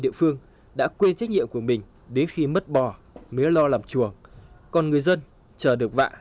địa phương đã quê trách nhiệm của mình đến khi mất bò mía lo làm chuồng còn người dân chờ được vạ